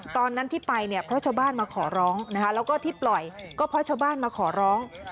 ตอนนั้นที่ไปพระเจ้าบ้านมาขอร้องแล้วก็ที่ปล่อยก็พระเจ้าบ้านมาขอร้อง